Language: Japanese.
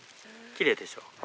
きれいでしょ？